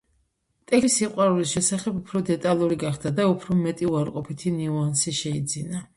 ტექსტები სიყვარულის შესახებ უფრო დეტალური გახდა და უფრო მეტი უარყოფითი ნიუანსი შეიძინა.